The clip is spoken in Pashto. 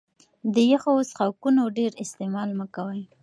د يخو څښاکونو ډېر استعمال مه کوه